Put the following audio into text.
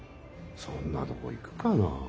そんなとこ行くかな？